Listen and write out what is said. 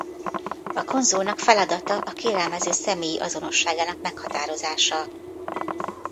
A konzulnak feladata a kérelmező személyi azonosságának meghatározása.